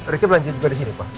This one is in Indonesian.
ricky belanja juga disini pak